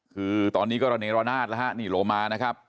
คือตอนนี้ก็ระเนรานาศนะครับโรมานะครับ